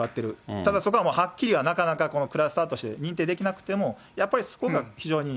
ただそこははっきりはなかなかクラスターとして認定できなくても、やっぱりそこが非常に。